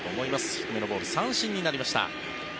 低めのボール三振になりました。